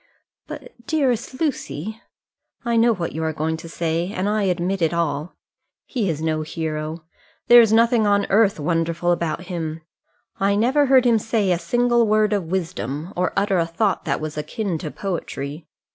"But, dearest Lucy " "I know what you are going to say, and I admit it all. He is no hero. There is nothing on earth wonderful about him. I never heard him say a single word of wisdom, or utter a thought that was akin to poetry.